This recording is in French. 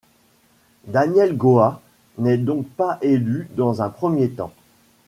Daniel Goa n'est donc pas élu dans un premier temps.